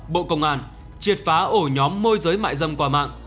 bộ công an triệt phá ổ nhóm môi giới mại dâm qua mạng